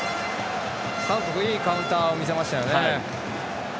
韓国いいカウンターを見せましたよね。